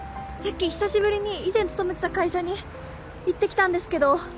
さっき久しぶりに以前勤めてた会社に行ってきたんですけど。